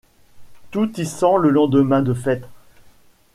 Tout y sent le lendemain de fête.